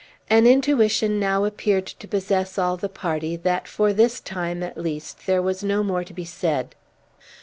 An intuition now appeared to possess all the party, that, for this time, at least, there was no more to be said.